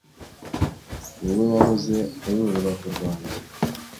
wowe wahoze uri urubavu rwanjye